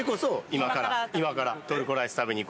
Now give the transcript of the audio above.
今から？